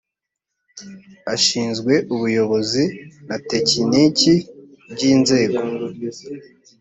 ashinzwe ubuyobozi na tekiniki by’ inzego